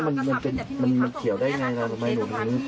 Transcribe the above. ไม่ใช่ตรงนี้มันเขียวได้อย่างไรทำไมลูกตามไม่ขึ้น